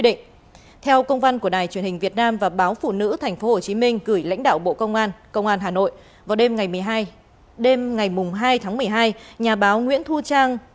đêm ngày hai tháng một mươi hai nhà báo nguyễn thu trang